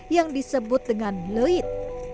yang disebut dengan luit